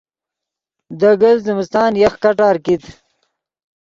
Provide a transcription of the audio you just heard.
دے گلت زمستان یخ کٹار کیت